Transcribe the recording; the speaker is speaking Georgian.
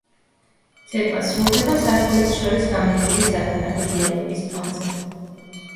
ცეკვა სრულდება სართულებს შორის გამართული სათანადო დიალოგის ფონზე.